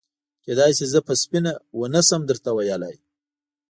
کېدای شي زه به سپینه ونه شم درته ویلای.